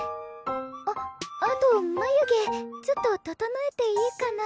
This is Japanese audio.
あっあと眉毛ちょっと整えていいかな？